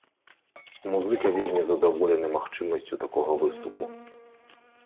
Музыка вельмі задаволены магчымасцю такога выступу.